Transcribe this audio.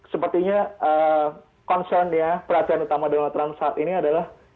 sepertinya concern ya perhatian utama donald trump saat ini adalah